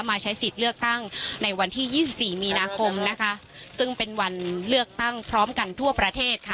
มาใช้สิทธิ์เลือกตั้งในวันที่ยี่สิบสี่มีนาคมนะคะซึ่งเป็นวันเลือกตั้งพร้อมกันทั่วประเทศค่ะ